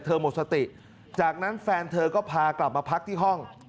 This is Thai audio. หมดสติจากนั้นแฟนเธอก็พากลับมาพักที่ห้อง